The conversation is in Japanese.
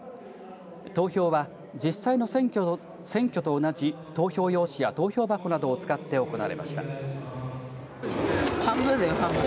投票は実際の選挙と同じ投票用紙や投票箱などを使って行われました。